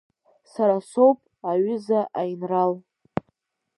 Сара соуп, аҩыза аинрал.